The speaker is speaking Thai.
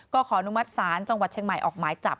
ก็ขออนุมัติศาลจังหวัดเชียงใหม่ออกหมายจับ